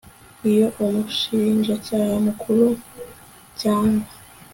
iyo umushinjacyaha mukuru cyangwa